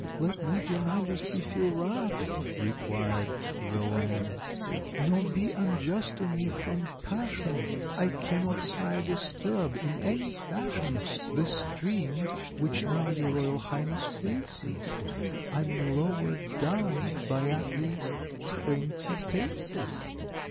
"Let not your Majesty feel wrath," replied The Lamb, "nor be unjust to me, from passion; I cannot, Sire, disturb in any fashion The stream which now your Royal Highness faces, I'm lower down by at least twenty paces."